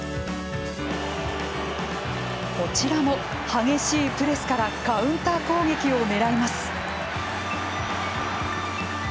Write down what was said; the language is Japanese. こちらも激しいプレスからカウンター攻撃をねらいます。